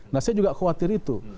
nah saya juga khawatir itu